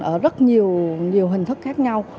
ở rất nhiều hình thức khác nhau